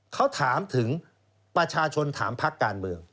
เขาถามถึงประชาชนถามพักการเมือง